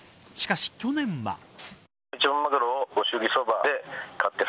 しかし去年は。